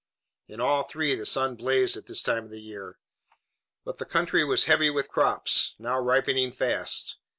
In all three the sun blazed at this time of the year, but the country was heavy with crops, now ripening fast.